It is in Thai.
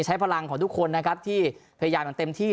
ใช้พลังของทุกคนนะครับที่พยายามอย่างเต็มที่